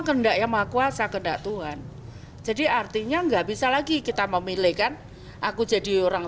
kendak yang maha kuasa kendak tuhan jadi artinya nggak bisa lagi kita memilihkan aku jadi orang